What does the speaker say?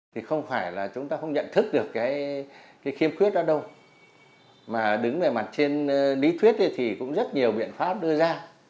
thì không phải là chúng ta không nhận thức được cái khiêm khuyết đó đâu mà đứng về mặt trên lý thuyết thì cũng rất nhiều biện pháp đưa ra